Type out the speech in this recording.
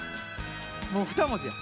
もう２文字や。